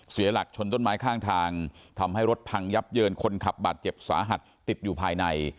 เสียหลักชนต้นไม้ข้างทางทำให้รถพังยับเยินคนขับบาดเจ็บสาหัสติดอยู่ภายใน